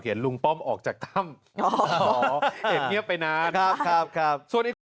เขียนลุงป้อมออกจากถ้ำเห็นเงียบไปนานครับครับครับ